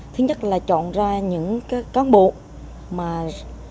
thứ nhất là chọn ra những cá nhân